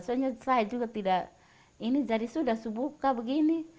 soalnya saya juga tidak ini jadi sudah sebuka begini